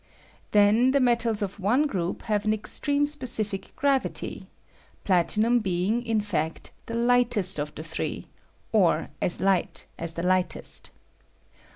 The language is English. Then the met als of one group have an extreme specific grav ity, platinum being, in fact, the lightest of the three, or as hght as the hghteat.